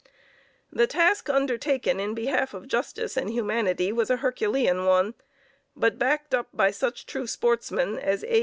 The task undertaken in behalf of justice and humanity was a Herculean one, but backed up by such true sportsmen as A.